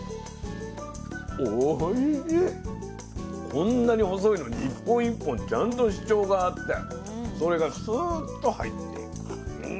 こんなに細いのに一本一本ちゃんと主張があってそれがスーッと入っていく。